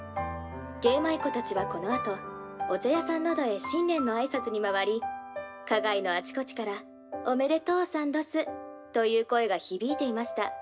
芸舞妓たちはこのあとお茶屋さんなどへ新年のあいさつに回り花街のあちこちから『おめでとうさんどす』という声がひびいていました」。